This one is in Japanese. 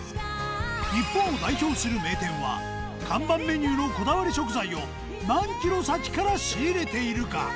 日本を代表する名店は看板メニューのこだわり食材を何ｋｍ先から仕入れているか？